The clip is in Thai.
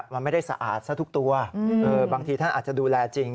มันไม่ได้สะอาดซะทุกตัวบางทีท่านอาจจะดูแลจริง